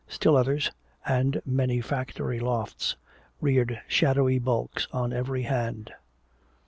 Still others, and many factory lofts, reared shadowy bulks on every hand.